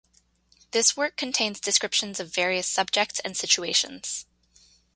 This work contains descriptions of various subjects and situations.